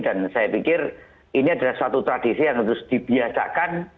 dan saya pikir ini adalah suatu tradisi yang harus dibiasakan